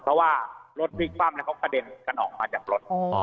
เพราะว่ารถพลิกคว่ำเขากระเด็นกันออกมาจากรถ